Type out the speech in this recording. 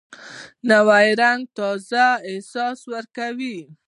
نوی رنګ تازه احساس ورکوي